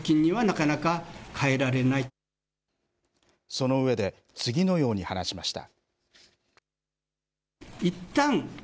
その上で、次のように話しました。